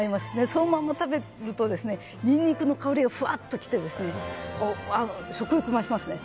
そのまま食べるとニンニクの香りがふわっと来て食欲が増しますね。